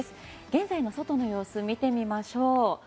現在の外の様子見てみましょう。